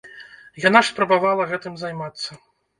Яна ж спрабавала гэтым займацца.